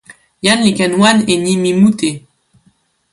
jan li ken wan e nimi mute.